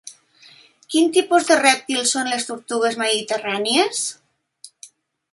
Quin tipus de rèptils són les tortugues mediterrànies?